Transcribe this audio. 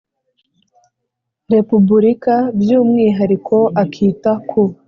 Repubulika by umwihariko akita ku